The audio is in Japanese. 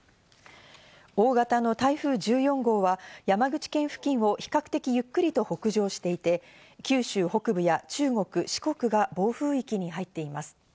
大型の台風１４号は山口県付近を比較的ゆっくりと北上していて、九州北部や中国、四国が暴風域に入っています。